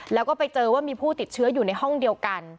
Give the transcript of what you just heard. แล้วก็ไปเจอว่ามีผู้ติดเชื้ออยู่ในห้องเดียวกัน